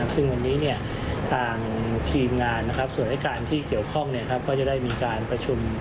ซึ่งวันนี้เนี่ยต่างทีมงานและการที่เกี่ยวข้องก็จะได้มีการประชุม